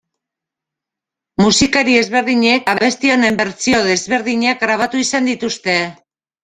Musikari ezberdinek abesti honen bertsio ezberdinak grabatu izan dituzte.